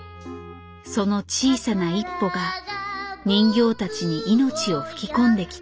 その小さな一歩が人形たちに「命」を吹き込んできた。